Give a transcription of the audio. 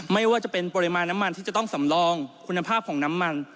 ไม่ว่าจะเป็นปริมาณน้ำมันที่จะต้องสำรองคุณภาพของน้ำมัน